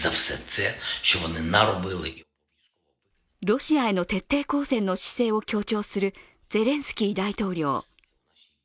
ロシアへの徹底抗戦の姿勢を強調するゼレンスキー大統領。